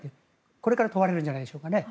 これから問われるんじゃないでしょうかね。